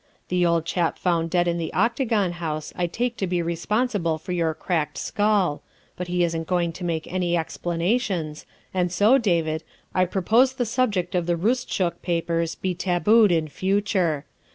The old chap found dead in the Octagon House I take to be respon sible for your cracked skull, but he isn't going to make any explanations, and so, David, I propose the subject of the Roostchook papers be tabooed in future.